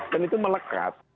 dan itu melekat